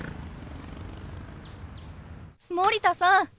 森田さん